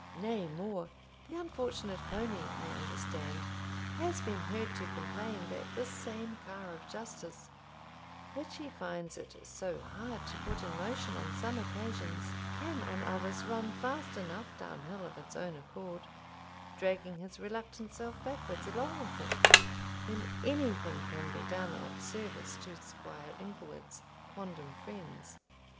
Nay more, the unfortunate pony, I understand, has been heard to complain that this same car of justice, which he finds it so hard to put in motion on some occasions, can on others run fast enough down hill of its own accord, dragging his reluctant self backwards along with it, when anything can be done of service to Squire Inglewood's quondam friends.